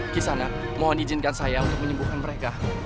kisana mohon izinkan saya untuk menyembuhkan mereka